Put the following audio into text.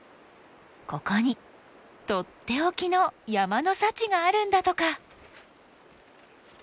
ここにとっておきの山の幸があるんだとか。